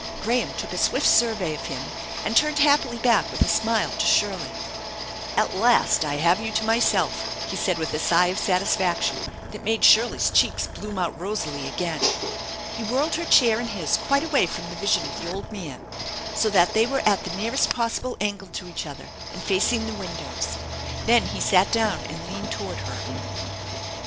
Graham took a swift survey of him and turned happily back with a smile to Shirley : "At last I have you to myself !" he said with a sigh of satisfaction that maab Shirley's cheeks bloom out rosily again. He whirled her chair and his quite away from the vision of the old man, so that they were at the nearest possible angle to each other, and facing the windows. Then he sat down and leaned toward her.